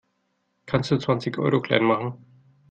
Kannst du zwanzig Euro klein machen?